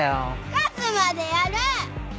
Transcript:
勝つまでやる！